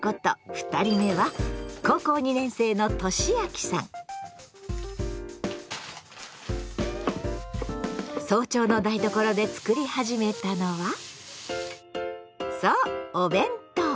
２人目は早朝の台所で作り始めたのはそうお弁当！